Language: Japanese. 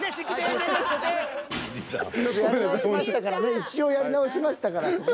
一応やり直しましたから。